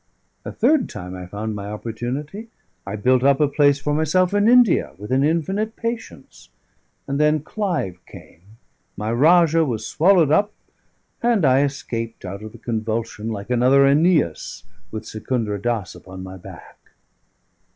A third time I found my opportunity; I built up a place for myself in India with an infinite patience; and then Clive came, my rajah was swallowed up, and I escaped out of the convulsion, like another Æneas, with Secundra Dass upon my back.